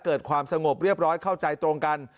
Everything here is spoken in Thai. เกิดความสงบเรียบร้อยเข้าใจตรงกัน